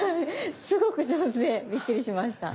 すごく上手でびっくりしました。